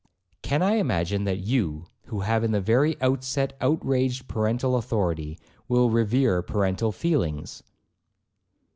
'Can I imagine that you, who have in the very outset outraged parental authority, will revere parental feelings?'